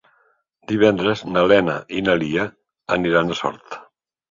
Divendres na Lena i na Lia aniran a Sort.